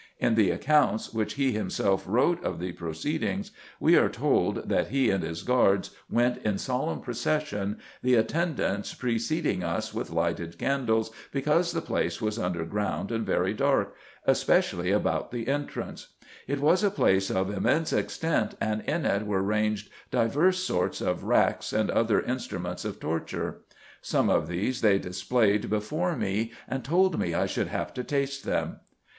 In the account which he himself wrote of the proceedings [Illustration: EAST END OF ST. JOHN'S CHAPEL IN THE WHITE TOWER, FROM BROAD ARROW TOWER] we are told that he and his guards "went in solemn procession, the attendants preceding us with lighted candles because the place was underground and very dark, especially about the entrance. It was a place of immense extent, and in it were ranged divers sorts of racks, and other instruments of torture. Some of these they displayed before me and told me I should have to taste them."